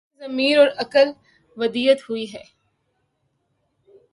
انہیں ضمیر اور عقل ودیعت ہوئی ہی